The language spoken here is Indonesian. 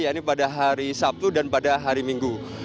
yaitu pada hari sabtu dan pada hari minggu